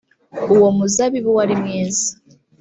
uwo muzabibu wari mwiza